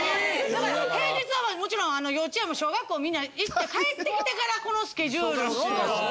平日はもちろん幼稚園も小学校も皆行って帰って来てからこのスケジュールを。